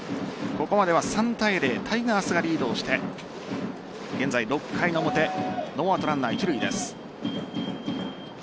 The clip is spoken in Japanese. ここまでは３対０タイガースがリードをして現在６回の表ノーアウトランナー一塁です。